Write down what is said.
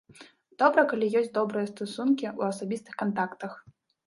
Добра, калі ёсць добрыя стасункі ў асабістых кантактах.